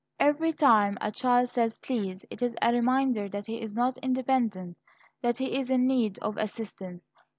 Every time a child says "please" it is a reminder that he is not independent, that he is in need of assistance.